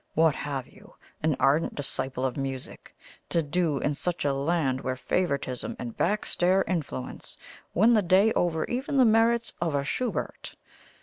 What have you, an ardent disciple of music, to do in such a land where favouritism and backstair influence win the day over even the merits of a Schubert?